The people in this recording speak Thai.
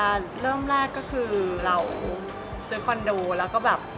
เริ่มแรกก็คือเราซื้อคอนโดแล้วก็แบบ